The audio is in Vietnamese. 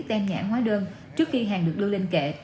tem nhãn hóa đơn trước khi hàng được đưa lên kệ